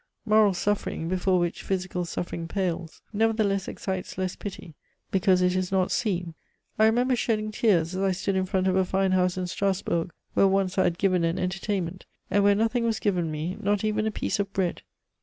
Moral suffering, before which physical suffering pales, nevertheless excites less pity, because it is not seen. I remember shedding tears, as I stood in front of a fine house in Strassburg where once I had given an entertainment, and where nothing was given me, not even a piece of bread.